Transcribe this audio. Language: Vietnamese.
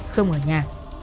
không ở nhà